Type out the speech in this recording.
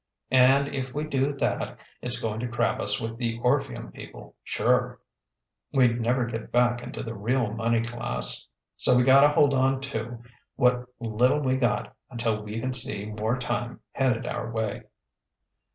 And if we do that it's goin' to crab us with the Orpheum people, sure; we'd never get back into the real money class. So we gotta hold onto what little we got until we kin see more time headed our way...."